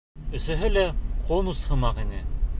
Өсөһө лә конус һымаҡ ине.